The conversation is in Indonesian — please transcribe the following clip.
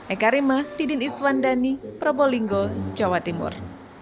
eka rima didin iswandani probolinggo jawa timur